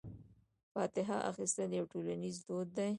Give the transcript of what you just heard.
فاتحه اخیستل یو ټولنیز دود دی.